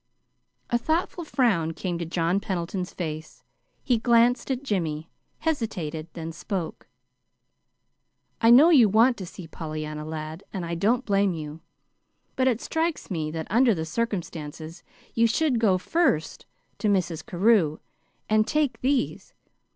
A thoughtful frown came to John Pendleton's face. He glanced at Jimmy, hesitated, then spoke. "I know you want to see Pollyanna, lad, and I don't blame you; but it strikes me that, under the circumstances, you should go first to Mrs. Carew, and take these."